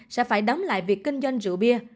sẽ phải đóng lại việc kinh doanh rượu bia